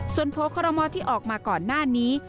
ส่วนโพลคอรมอที่ออกมาก่อนหน้านี้